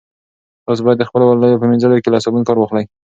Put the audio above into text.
تاسي باید د خپلو کاليو په مینځلو کې له صابون کار واخلئ.